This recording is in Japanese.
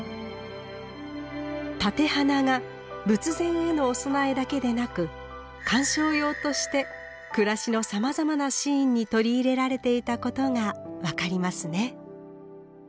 立て花が仏前へのお供えだけでなく鑑賞用として暮らしのさまざまなシーンに取り入れられていたことが分かりますね。